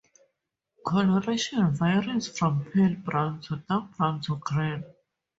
Coloration varies from pale brown to dark brown to green.